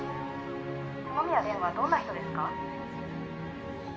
園宮蓮はどんな人ですか？